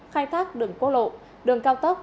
khai thác đường quốc lộ đường cao tốc